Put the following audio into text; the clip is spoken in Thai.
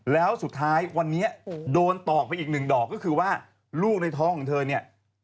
แล้วสุดท้ายวันนี้โดนตอกไปอีกหนึ่งดอกก็คือว่าลูกในท้องของเธอเนี่ย